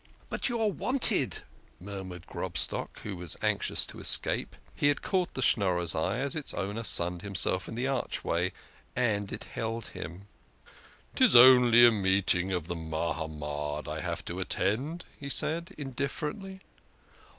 "But you are wanted," murmured Grobstock, who was anxious to escape. He had caught the Schnorrer's eye as its owner sunned himself in the archway, and it held him. " 'Tis only a meeting of the Mahamad I have to attend," he said indifferently.